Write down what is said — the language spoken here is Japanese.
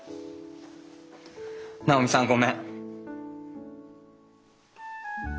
直美さんごめん。